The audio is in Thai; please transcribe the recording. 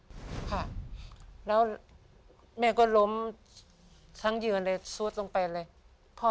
ค่ะแล้วแม่ก็ล้มทั้งยืนเลยซุดลงไปเลย